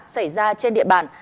xảy ra trên địa bàn